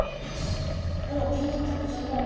この牛乳パックちゃんの底